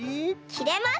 きれます！